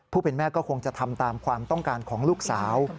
เป็นแม่ก็คงจะทำตามความต้องการของลูกสาว